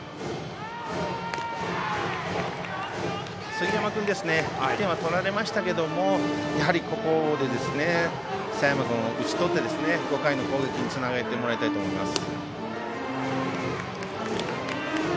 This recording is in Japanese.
杉山君１点は取られましたけどやはりここで佐山君を打ち取って５回の攻撃につなげてもらいたいと思います。